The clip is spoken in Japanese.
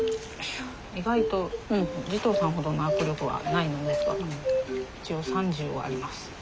意外と慈瞳さんほどの握力はないのですが一応３０はあります。